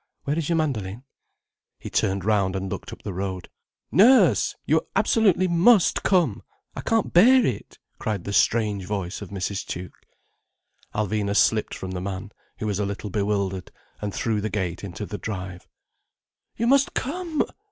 Where is your mandoline?" He turned round and looked up the road. "Nurse! You absolutely must come. I can't bear it," cried the strange voice of Mrs. Tuke. Alvina slipped from the man, who was a little bewildered, and through the gate into the drive. "You must come!"